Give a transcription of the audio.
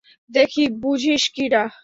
দেখি বুঝিস কি না।